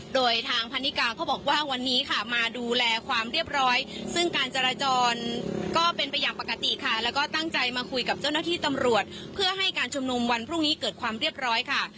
โดยทางพันนิกาเขาบอกว่าวันนี้ค่ะมาดูแลความเรียบร้อยซึ่งการจราจรก็เป็นไปอย่างปกติค่ะแล้วก็ตั้งใจมาคุยกับเจ้าหน้าที่ตำรวจเพื่อให้การชุมนุมวันพรุ่งนี้เกิดความเรียบร้อยค่ะ